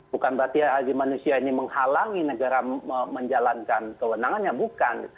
bukan berarti azim manusia ini menghalangi negara menjalankan kewenangan ya bukan